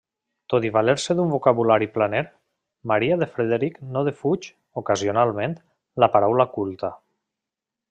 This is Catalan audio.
Tot i valer-se d'un vocabulari planer, Maria de Frederic no defuig, ocasionalment, la paraula culta.